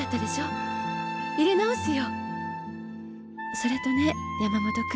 それとね山本君。